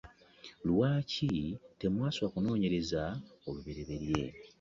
Lwaki temwasooka kunoonyereza olubereberye?